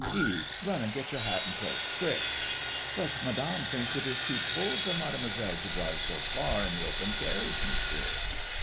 Eve, run and get your hat and cloak ; quick!" " But Madame thinks it is too cold for Mademoiselle to drive so far in the open carriage. Monsieur."